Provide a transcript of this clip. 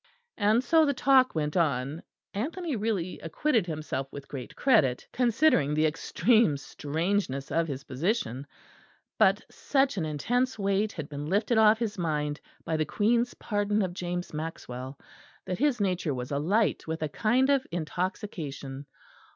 And so the talk went on. Anthony really acquitted himself with great credit, considering the extreme strangeness of his position; but such an intense weight had been lifted off his mind by the Queen's pardon of James Maxwell, that his nature was alight with a kind of intoxication.